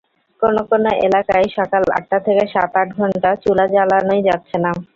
কোনো কোনো এলাকায় সকাল আটটা থেকে সাত-আট ঘণ্টা চুলা জ্বালানোই যাচ্ছে না।